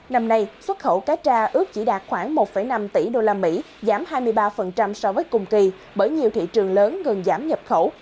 năm nay xuất khẩu cá tra ước chỉ đạt khoảng một năm tỷ usd giảm hai mươi ba so với cùng kỳ bởi nhiều thị trường lớn ngừng giảm nhập khẩu